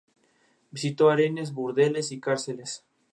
Se distribuye por las aguas someras del Mediterráneo.